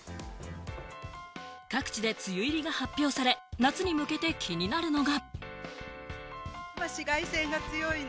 各地で梅雨入りが発表され、夏に向けて気になるのが。